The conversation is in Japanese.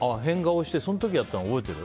その時やったの覚えてる？